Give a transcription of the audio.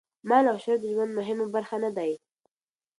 مال او شهرت د ژوند مهمه برخه نه دي.